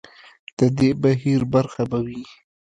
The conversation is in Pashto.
د دې بهیر برخه به وي.